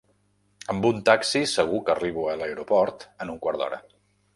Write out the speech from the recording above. Amb un taxi segur que arribo a l'aeroport en un quart d'hora.